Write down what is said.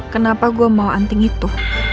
kenapa gue mau anting itu